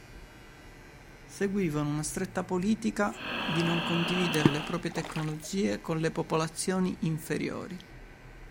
Seguivano una stretta politica di non condividere le proprie tecnologie con le popolazioni "inferiori".